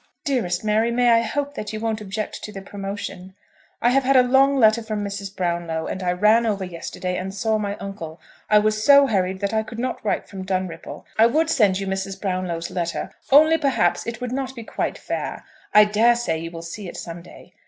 Dearest Mary, may I hope that you won't object to the promotion? I have had a long letter from Mrs. Brownlow; and I ran over yesterday and saw my uncle. I was so hurried that I could not write from Dunripple. I would send you Mrs. Brownlow's letter, only perhaps it would not be quite fair. I dare say you will see it some day.